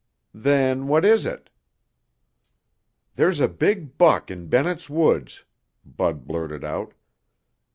"Then what is it?" "There's a big buck in Bennett's Woods," Bud blurted out.